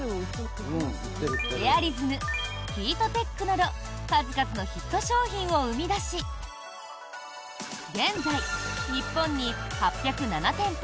エアリズム、ヒートテックなど数々のヒット商品を生み出し現在、日本に８０７店舗